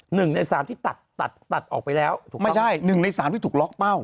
หนึ่งในสามที่ตัดออกไปแล้วไม่ใช่หนึ่งในสามที่ถูกล็อกเป้า